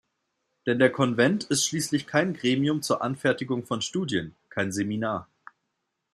Denn der Konvent ist schließlich kein Gremium zur Anfertigung von Studien, kein Seminar.